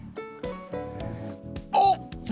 あっ！